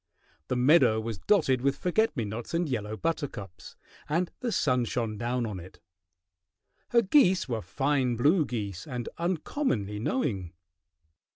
The meadow was dotted with forget me nots and yellow buttercups, and the sun shone down on it; her geese were fine blue geese and uncommonly knowing.